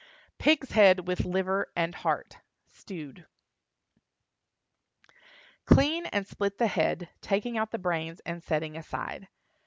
PIG'S HEAD WITH LIVER AND HEART (Stewed). Clean and split the head, taking out the brains and setting aside.